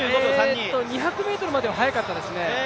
２００ｍまでは速かったですね。